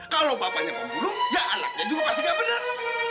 kalau bapaknya pembunuh ya anaknya juga pasti nggak benar